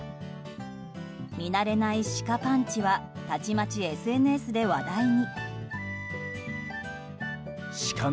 見慣れないシカパンチはたちまちＳＮＳで話題に。